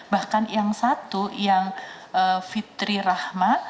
bahkan yang satu yang fitri rahma